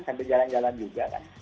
sambil jalan jalan juga